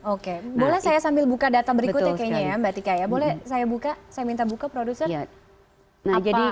oke boleh saya sambil buka data berikutnya kayaknya ya mbak tika ya boleh saya buka saya minta buka produser